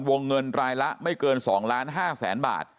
วงเงินรายละไม่เกิน๒ล้าน๕แสนบาท